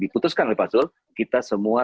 diputuskan oleh pak zul kita semua